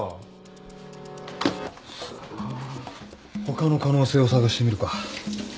ほかの可能性を探してみるか。